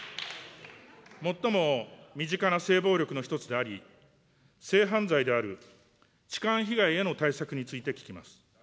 最も身近な性暴力の一つであり、性犯罪である痴漢被害への対策について聞きます。